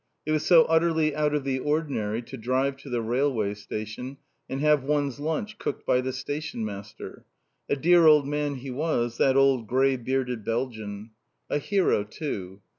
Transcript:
It was so utterly out of the ordinary to drive to the railway station, and have one's lunch cooked by the stationmaster. A dear old man he was, that old grey bearded Belgian. A hero too!